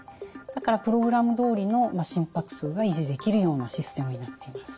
だからプログラムどおりの心拍数が維持できるようなシステムになっています。